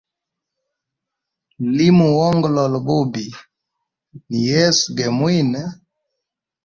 Limuongolola bubi ni yesu ge mwine.